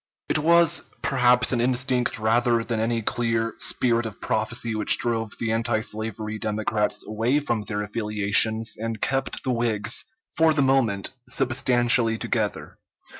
It was perhaps an instinct rather than any clear spirit of prophecy which drove the antislavery Democrats away from their affiliations and kept the Whigs, for the moment, substantially together.